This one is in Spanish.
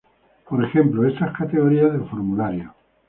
Por ejemplo estas categorías de formulario.